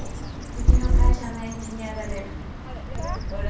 うちの会社のエンジニアが出るのほら